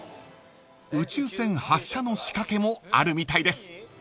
［宇宙船発射の仕掛けもあるみたいです］